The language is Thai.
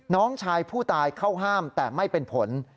น้องชายผู้ตายเข้าห้ามแต่ไม่เป็นผล